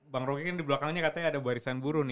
bang roky kan di belakangnya katanya ada barisan buruh nih